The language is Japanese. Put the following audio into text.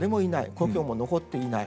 故郷も残っていない。